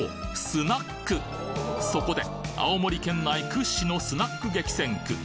スナックそこで青森県内屈指のスナック激戦区